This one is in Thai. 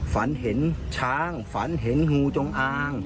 ฝันเห็นช้างฝันเห็นงูจงอาง